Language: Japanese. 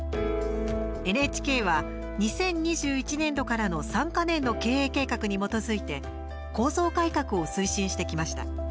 ＮＨＫは２０２１年度からの３か年の経営計画に基づいて構造改革を推進してきました。